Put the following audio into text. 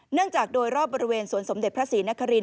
จากโดยรอบบริเวณสวนสมเด็จพระศรีนคริน